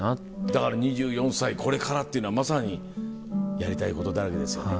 だから２４歳これからっていうのはまさにやりたいことだらけですよね。